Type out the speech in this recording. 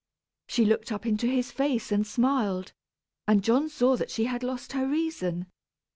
She looked up into his face and smiled, and John saw she had lost her reason.